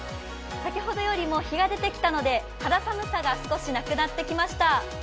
先ほどよりも日が出てきたので肌寒さが少しなくなってきました。